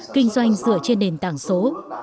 kinh doanh dựa trên nền tảng số